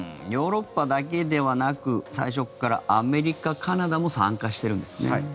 ヨーロッパだけではなく最初からアメリカ、カナダも参加しているんですね。